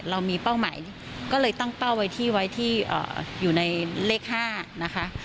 เรามีเป้าหมายก็เลยตั้งเป้าไว้ที่ไว้ที่อยู่ในเลข๕นะคะ